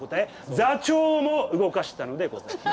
座長をも動かしたのでございます。